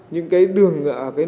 những cái đường